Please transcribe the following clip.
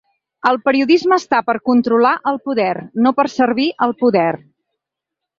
El periodisme està per controlar al poder, no per servir al poder.